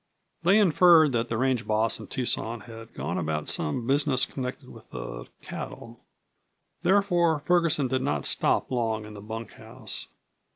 They inferred that the range boss and Tucson had gone about some business connected with the cattle. Therefore Ferguson did not stop long in the bunkhouse.